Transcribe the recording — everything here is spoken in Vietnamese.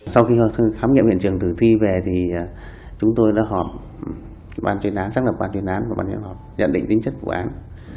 sau khi khám nghiệm huyện trường từ thi về thì chúng tôi đã họp xác lập bản chuyên án và bản hiệu họp nhận định tính chất của quán